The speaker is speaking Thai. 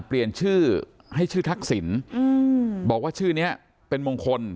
เปลี่ยนชื่อให้ชื่อทักษิณบอกว่าชื่อนี้เป็นมงคล